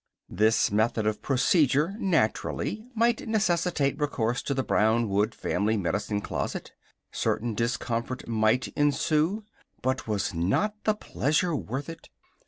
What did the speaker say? This method of procedure, naturally, might necessitate recourse to the brown wood family medicine closet. Certain discomfort might ensue. But was not the pleasure worth it?